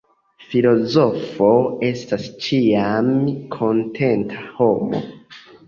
Filozofo estas ĉiam kontenta homo.